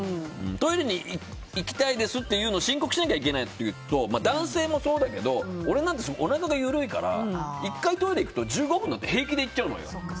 トイレに行きたいですって申告しなきゃいけないというと男性もそうだけどおなかが緩いから１回トイレ行くと１５分なんて俺、平気で行っちゃうのよ。